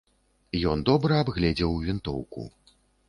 Ён добра абгледзеў вінтоўку.